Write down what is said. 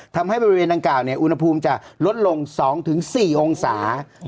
ทำให้บริเวณดังกล่าวอุณหภูมิจะลดลง๒๔องศา